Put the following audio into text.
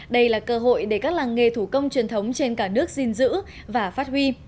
đây là cơ hội để các làng nghề thủ công truyền thống trên cả nước gìn giữ và phát huy